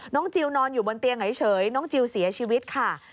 จิลนอนอยู่บนเตียงเฉยน้องจิลเสียชีวิตค่ะ